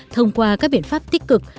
thông qua các biện pháp tích cực